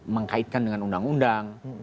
mengkaitkan dengan undang undang